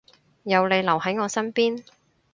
有你留喺我身邊